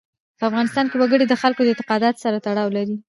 په افغانستان کې وګړي د خلکو د اعتقاداتو سره تړاو لري.